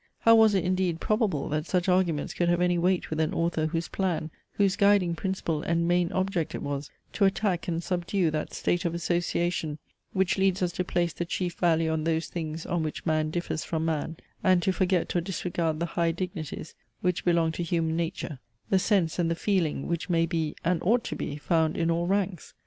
How was it, indeed, probable, that such arguments could have any weight with an author, whose plan, whose guiding principle, and main object it was to attack and subdue that state of association, which leads us to place the chief value on those things on which man differs from man, and to forget or disregard the high dignities, which belong to Human Nature, the sense and the feeling, which may be, and ought to be, found in all ranks?